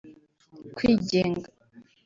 kwigenga